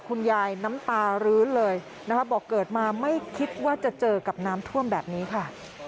คุณยายน้ำตารื้นเลยนะคะบอกเกิดมาไม่คิดว่าจะเจอกับน้ำท่วมแบบนี้ค่ะ